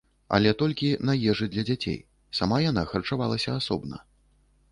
Але толькі на ежы для дзяцей, сама яна харчавалася асобна.